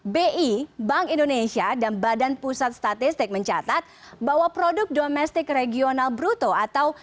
bi bank indonesia dan badan pusat statistik mencatat bahwa produk domestik regional bruto atau